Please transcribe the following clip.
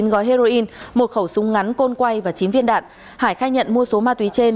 chín gói heroin một khẩu súng ngắn côn quay và chín viên đạn hải khai nhận mua số ma túy trên